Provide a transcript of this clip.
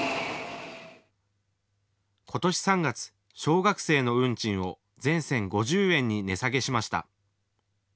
ことし３月、小学生の運賃を全線５０円に値下げしました。